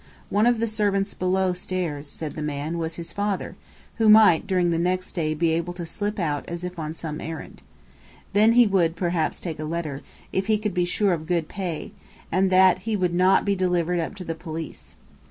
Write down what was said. One of the servants below stairs, said the man, was his father, who might during the next day be able to slip out as if on some errand. Then he would perhaps take a letter, if he could be sure of good pay, and that he would not be delivered up to the police.